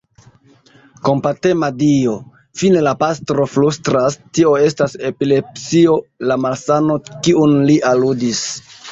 Kompatema Dio! fine la pastro flustras, tio estas epilepsio, la malsano, kiun li aludis.